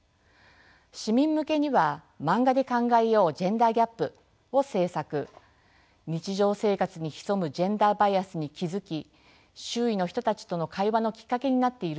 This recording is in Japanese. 市民向けには「マンガで考えよう！ジェンダーギャップ」を制作日常生活に潜むジェンダーバイアスに気付き周囲の人たちとの会話のきっかけになっているそうです。